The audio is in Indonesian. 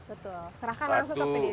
betul serahkan langsung kepada pdp nya